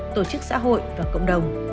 tổ chức xã hội và cộng đồng